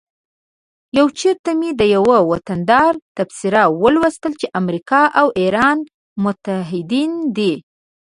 یو چیرته مې د یوه وطندار تبصره ولوسته چې امریکا او ایران متعهدین دي